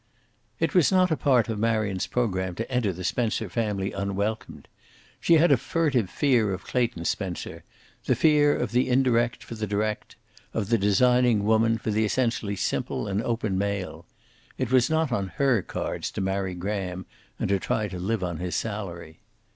It was not a part of Marion's program to enter the Spencer family unwelcomed. She had a furtive fear of Clayton Spencer, the fear of the indirect for the direct, of the designing woman for the essentially simple and open male. It was not on her cards to marry Graham and to try to live on his salary.